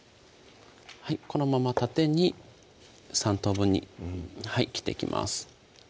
このまま縦に３等分に切っていきます